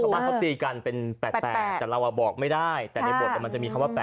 บ้านเขาตีกันเป็น๘๘แต่เราบอกไม่ได้แต่ในบทมันจะมีคำว่า๘